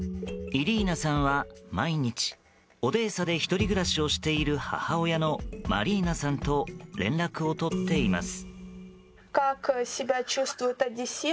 イリーナさんは毎日オデーサで１人暮らしをしている母親のマリーナさんと連絡を取っています。